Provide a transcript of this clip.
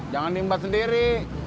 jangan timbat sendiri